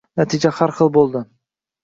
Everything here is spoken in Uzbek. Natija xar xil bo‘ldi.